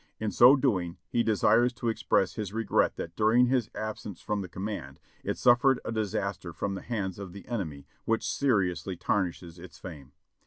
In so doing he desires to express his regret that during his absence from the command it suffered a disaster from the hands of the enemy which seriously tarnishes its fame.